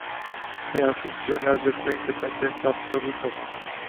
Ea funcționează cu o independență absolută.